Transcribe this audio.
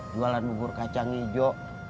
jualan bubur kacang hijau